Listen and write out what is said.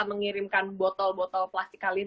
mengirimkan botol botol plastik kalin